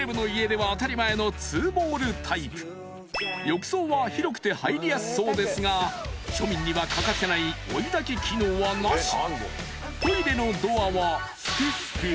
［浴槽は広くて入りやすそうですが庶民には欠かせない追いだき機能はなし］